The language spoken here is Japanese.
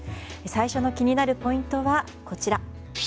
最初の気になるポイントはこちら。